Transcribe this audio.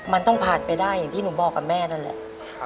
มันต้องผ่านไปได้อย่างที่หนูบอกกับแม่นั่นแหละ